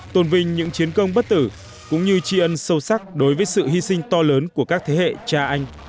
tôn vinh những chiến công bất tử cũng như tri ân sâu sắc đối với sự hy sinh to lớn của các thế hệ cha anh